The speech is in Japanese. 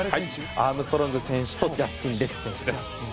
アームストロング選手とジャスティン選手です。